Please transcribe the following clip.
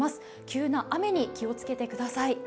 急な雨に気を付けてください。